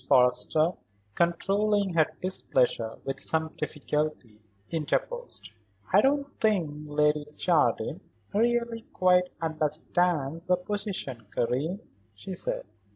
Forrester, controlling her displeasure with some difficulty, interposed. "I don't think Lady Jardine really quite understands the position, Karen," she said.